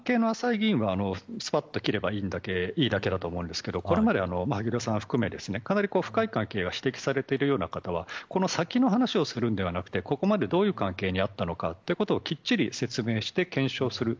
関係の浅い議員はスパッと切ればいいだけだと思いますがこれまで萩生田さん含めてかなり深い関係が指摘されているような方はこの先の話をするのではなくここまで、どういう関係にあったのかきっちり進めて検証する。